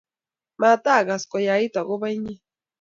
matagas koyait agoba inye